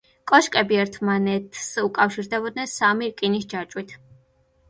კოშკები ერთმანეთს უკავშირდებოდნენ სამი რკინის ჯაჭვით.